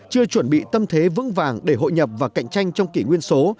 chưa chuẩn bị tâm thế vững vàng để hội nhập và cạnh tranh trong kỷ nguyên số